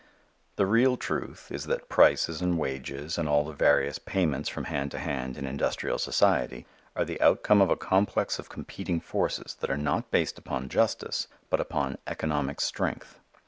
The real truth is that prices and wages and all the various payments from hand to hand in industrial society, are the outcome of a complex of competing forces that are not based upon justice but upon "economic strength."